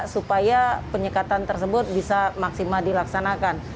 supaya penyekatan tersebut bisa maksimal dilaksanakan